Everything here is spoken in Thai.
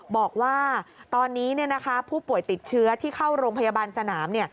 บอกว่าตอนนี้ผู้ป่วยติดเชื้อที่เข้าโรงพยาบาลสนาม